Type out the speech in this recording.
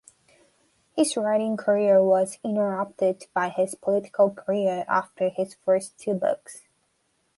His writing career was interrupted by his political career after his first two books.